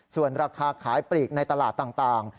ส่วนราคาขายปลีกในตลาดต่าง